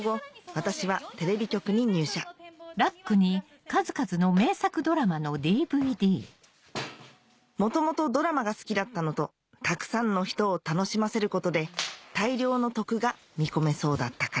私はテレビ局に入社元々ドラマが好きだったのとたくさんの人を楽しませることで大量の徳が見込めそうだったから